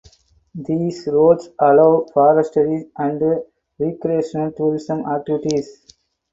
These roads allow forestry and recreational tourism activities.